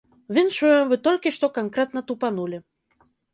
Віншуем, вы толькі што канкрэтна тупанулі.